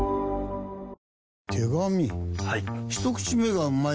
はい。